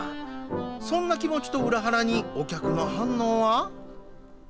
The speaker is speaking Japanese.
そんな気持ちと裏腹にお客の反応は。